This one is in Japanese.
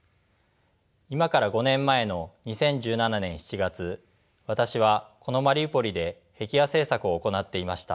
今から５年前の２０１７年７月私はこのマリウポリで壁画制作を行っていました。